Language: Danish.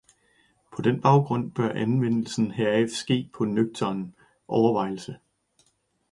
På den baggrund bør anvendelsen heraf ske efter nøgtern overvejelse.